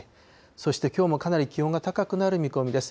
そしてきょうもかなり気温が高くなる見込みです。